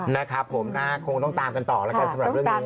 นะครับผมคงต้องตามกันต่อแล้วกันสำหรับเรื่องนี้